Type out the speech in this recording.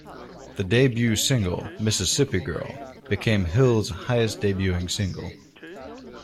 The debut single, "Mississippi Girl", became Hill's highest-debuting single.